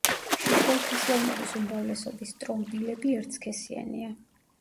შიშველთესლოვნების უმრავლესობის სტრობილები ერთსქესიანია.